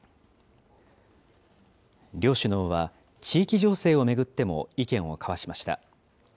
地域情勢を巡っても意見を交わしました。